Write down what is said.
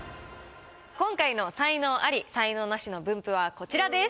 今回の才能アリ・才能ナシの分布はこちらです。